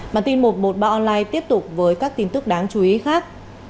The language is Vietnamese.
bản tin một trăm một mươi ba online tiếp tục với các tin tức đáng chú ý khác